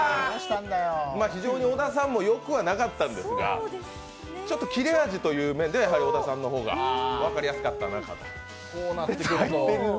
非常に小田さんもよくはなかったんですがちょっと切れ味という面では小田さんの方が分かりやすかったなと。